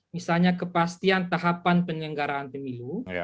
misalnya kepastian tahapan penyelenggaraan pemilu